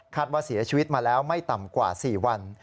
ว่าเสียชีวิตมาแล้วไม่ต่ำกว่า๔วัน